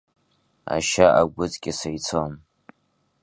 Ашьа агәыҵкьаса ицон.